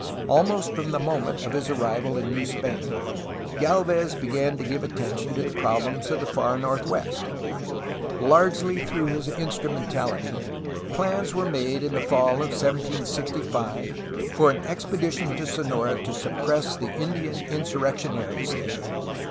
Almost from the moment of his arrival in New Spain, Galvez began to give attention to the problems of the far northwest. Largely through his instrumentality plans were made in the fall of 1765 for an expedition to Sonora to suppress the Indian insurrectionaries there.